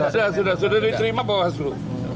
sudah diterima bawaslu